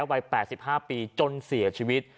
วัย๘๕ปีจนเสียชีวิต